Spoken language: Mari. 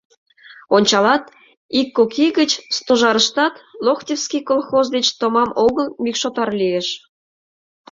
Ончалат, ик-кок ий гыч Стожарыштат Локтевский колхоз деч томам огыл мӱкшотар лиеш.